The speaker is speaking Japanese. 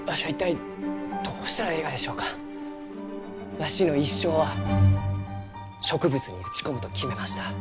わしの一生は植物に打ち込むと決めました。